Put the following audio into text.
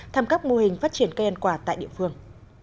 thăm các mô hình phát triển cây ăn quả tại địa phương